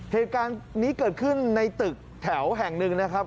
เหตุการณ์นี้เกิดขึ้นในตึกแถวแห่งหนึ่งนะครับ